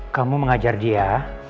kamu mengajar dia